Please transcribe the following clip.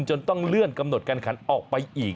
จนต้องเลื่อนกำหนดการขันออกไปอีก